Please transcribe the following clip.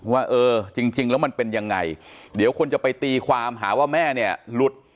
ว่าเออจริงแล้วมันเป็นยังไงเดี๋ยวคนจะไปตีความหาว่าแม่เนี่ยหลุด